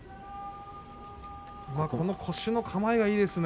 この腰の構えがいいですね。